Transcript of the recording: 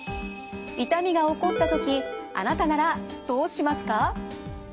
痛みが起こった時あなたならどうしますか？